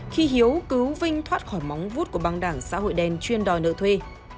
khi hiếu cứu vinh thoát khỏi móng vút của băng đảng xã hội đen chuyên đòi nợ thuê